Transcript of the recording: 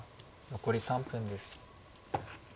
残り３分です。